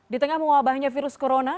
di tengah mewabahnya virus corona